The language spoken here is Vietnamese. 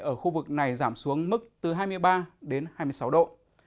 ở khu vực này giảm xuống mức từ hai mươi ba đến hai mươi sáu độ